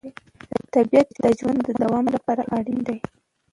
طبیعت د ژوند د دوام لپاره اړین دی